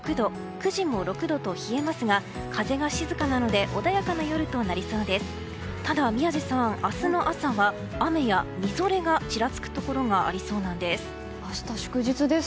９時も６度と冷えますが風が静かなので穏やかな夜となりそうです。